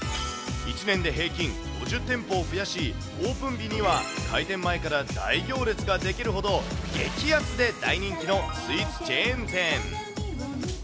１年で平均５０店舗を増やし、オープン日には、開店前から大行列が出来るほど、激安で大人気のスイーツチェーン店。